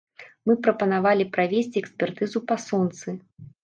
Мы прапанавалі правесці экспертызу па сонцы.